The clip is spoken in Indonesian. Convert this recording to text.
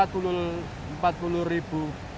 normalnya rp empat puluh